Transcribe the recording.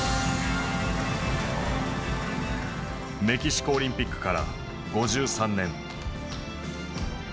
メキシコオリンピックから５３年。